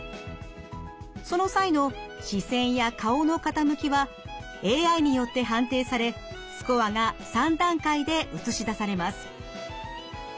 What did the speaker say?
その際の視線や顔の傾きはＡＩによって判定されスコアが３段階で映し出されます。